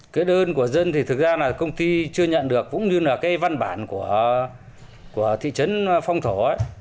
cái đơn của dân thì thực ra là công ty chưa nhận được cũng như là cái văn bản của thị trấn phong thổ ấy